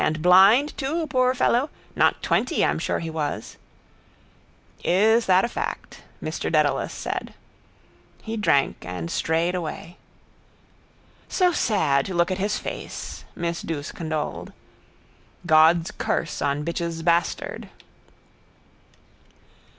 And blind too, poor fellow. Not twenty I'm sure he was. —Is that a fact? Mr Dedalus said. He drank and strayed away. —So sad to look at his face, miss Douce condoled. God's curse on bitch's bastard.